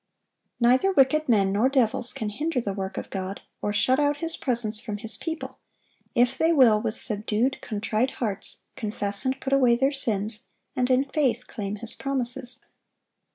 Neither wicked men nor devils can hinder the work of God, or shut out His presence from His people, if they will, with subdued, contrite hearts, confess and put away their sins, and in faith claim His promises.